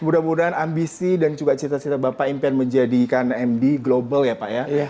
mudah mudahan ambisi dan juga cita cita bapak impian menjadikan md global ya pak ya